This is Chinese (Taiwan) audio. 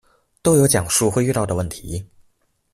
都有講述會遇到的問題